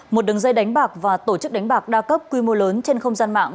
một đường dây đánh bạc và tổ chức đánh bạc đa cấp quy mô lớn trên không gian mạng